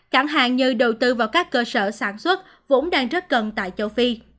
chẳng hạn như đầu tư vào các cơ sở sản xuất vốn đang rất cần tại châu phi